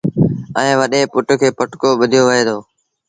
ائيٚݩ وڏي پُٽ کي پٽڪو ٻڌآيو وهي دو